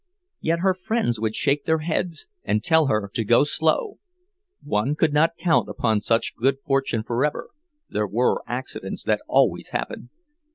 Yet her friends would shake their heads and tell her to go slow; one could not count upon such good fortune forever—there were accidents that always happened.